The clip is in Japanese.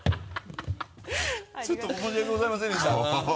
ちょっと申し訳ございませんでした。